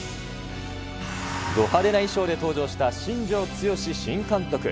ド派手な衣装で登場した新庄剛志新監督。